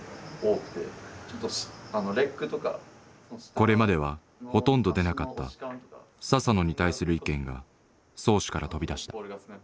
これまではほとんど出なかった佐々野に対する意見が漕手から飛び出した。